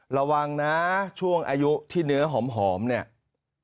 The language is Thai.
ระวังนะช่วงอายุที่เนื้อหอมเนี่ย